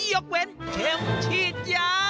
ยกเว้นเข็มฉีดยา